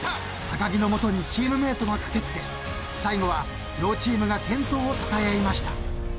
［高木の元にチームメートが駆けつけ最後は両チームが健闘をたたえ合いました］